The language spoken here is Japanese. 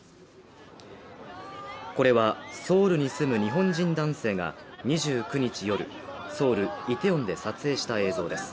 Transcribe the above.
これはソウルに住む日本人男性が、２９日夜、ソウル・イテウォンで撮影した映像です。